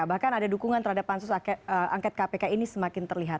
bahkan ada dukungan terhadap pansus angket kpk ini semakin terlihat